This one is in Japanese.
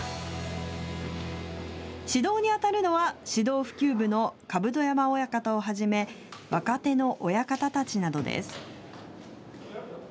指導に当たるのは、指導普及部の甲山親方をはじめ、若手の親方たちなどです。